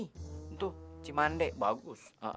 itu cimande bagus